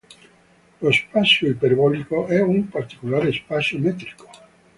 Lo spazio iperbolico è un particolare spazio metrico.